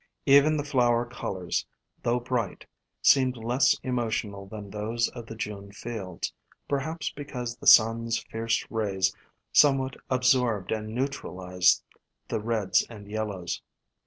Even the flower colors, though bright, seemed less emotional than those of the June fields, per haps because the sun's fierce rays somewhat ab sorbed and neutralized the reds and yellows.